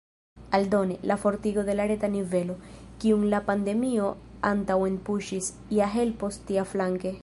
Aldone, la fortigo de la reta nivelo, kiun la pandemio antaŭenpuŝis, ja helpos tiaflanke.